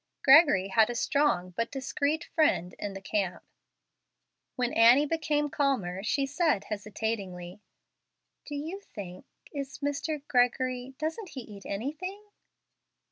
Gregory had a strong but discreet friend in the camp. When Annie became calmer, she said, hesitatingly, "Do you think is Mr. Gregory doesn't he eat anything?"